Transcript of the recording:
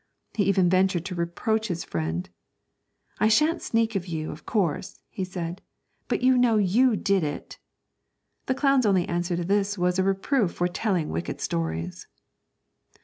He even ventured to reproach his friend: 'I shan't sneak of you, of course, he said, 'but you know you did it!' The clown's only answer to this was a reproof for telling wicked stories.